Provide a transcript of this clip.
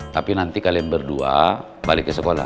tapi nanti kalian berdua balik ke sekolah